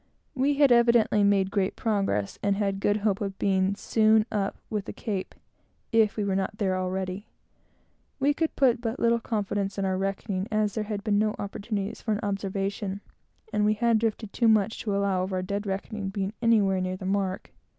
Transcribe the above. We had evidently made great progress, and had good hope of being soon up with the Cape, if we were not there already. We could put but little confidence in our reckoning, as there had been no opportunities for an observation, and we had drifted too much to allow of our dead reckoning being anywhere near the mark.